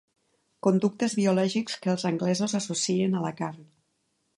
Conductes biològics que els anglesos associen a la carn.